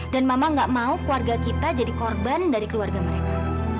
dan mama nggak mau keluarga kita jadi korban dari keluarga mereka